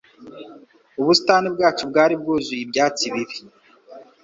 Ubusitani bwacu bwari bwuzuye ibyatsi bibi